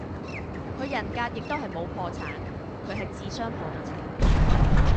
佢人格亦都冇破產，佢系智商破咗產